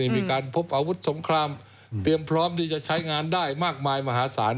มีการพบอาวุธสงครามเตรียมพร้อมที่จะใช้งานได้มากมายมหาศาล